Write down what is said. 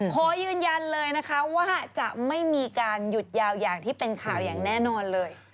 ขอยืนยันเลยนะคะว่าจะไม่มีการหยุดยาวอย่างที่เป็นข่าวอย่างแน่นอนเลย